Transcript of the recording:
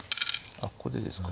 あっここでですか。